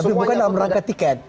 bukan dalam rangka tiket